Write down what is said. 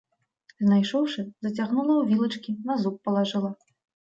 Знайшоўшы, зацягнула ў вілачкі, на зуб палажыла.